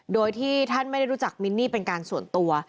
โดยที่ท่านไม่ได้รู้จักมินนี่เป็นการส่วนตัว